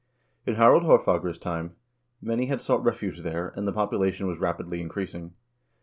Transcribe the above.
In Harald Haarfagre's time many had sought refuge there, and the population was rapidly increasing.